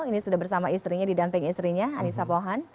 ini sudah bersama istrinya didamping istrinya anissa pohan